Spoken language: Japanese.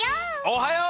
おはよう！